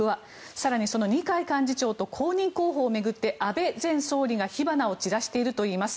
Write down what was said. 更にその二階幹事長と公認候補を巡って安倍前総理が火花を散らしているといいます。